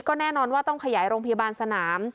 ก็แน่นอนว่าต้องขยายโรงพยาบาลสนาม